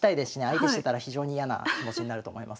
相手してたら非常に嫌な気持ちになると思いますよ。